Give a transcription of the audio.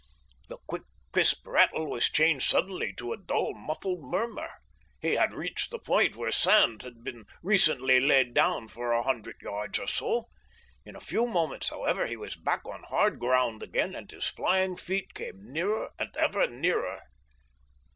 The quick, crisp rattle was changed suddenly to a dull, muffled murmur. He had reached the point where sand had been recently laid down for a hundred yards or so. In a few moments, however, he was back on hard ground again and his flying feet came nearer and ever nearer.